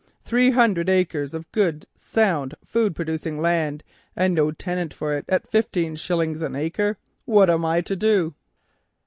Three hundred acres of good, sound, food producing land, and no tenant for it at fifteen shillings an acre. What am I to do?"